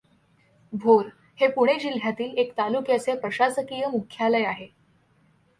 भोर हे पुणे जिल्ह्यातील एक तालुक्याचे प्रशासकीय मुख्यालय आहे.